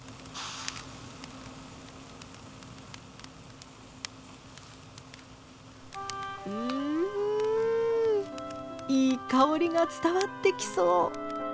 ううんいい香りが伝わってきそう！